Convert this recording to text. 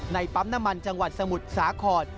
ปั๊มน้ำมันจังหวัดสมุทรสาคร